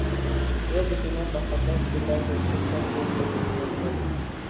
زړه د سینه په قفس کې لږ څه چپ لوري ته موقعیت لري